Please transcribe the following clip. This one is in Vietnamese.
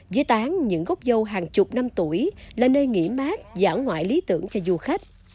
giới tán những gốc dâu hàng chục năm tuổi là nơi nghỉ mát giãn ngoại lý tưởng cho du khách